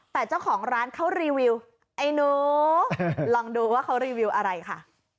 แต่เจ้าของร้านเขารีวิวไอ้หนูลองดูว่าเขารีวิวอะไรค่ะ